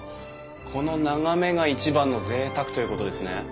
この眺めが一番のぜいたくということですね。